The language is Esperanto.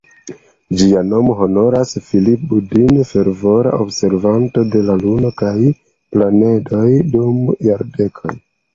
Ĝia nomo honoras "Phillip Budine", fervora observanto de la Luno kaj planedoj dum jardekoj.